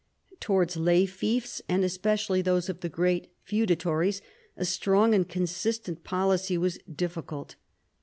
Towards lay fiefs, and especially those of the great feudatories, a strong and consistent policy was difficult.